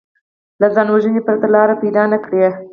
له ځانوژنې پرته لاره پیدا نه کړي